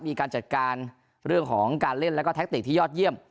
มีการจัดการเรื่องของการเล่นแล้วก็แท็กติกที่ยอดเยี่ยม